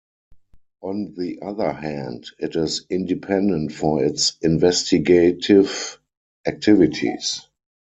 On the other hand, it is independent for its investigative activities.